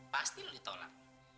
pasti lu ditolak